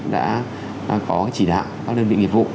đã có chỉ đạo các đơn vị nghiệp vụ